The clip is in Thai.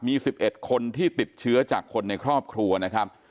มี๑๑คนที่ติดเชื้อจากคนในครอบครัวนะครับ